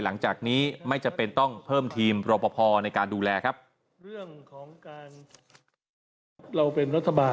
หลังจากนี้ไม่จำเป็นต้องเพิ่มทีมรอปภในการดูแลครับ